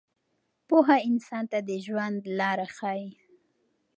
پوهه انسان ته د ژوند لاره ښیي.